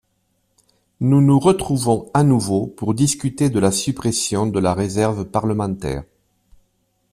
Nous nous retrouvons à nouveau pour discuter de la suppression de la réserve parlementaire.